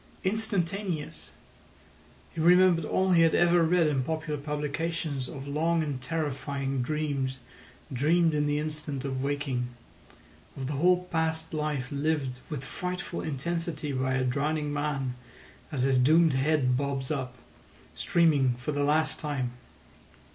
Instantaneous! He remembered all he had ever read in popular publications of long and terrifying dreams dreamed in the instant of waking; of the whole past life lived with frightful intensity by a drowning man as his doomed head bobs up, streaming, for the last time.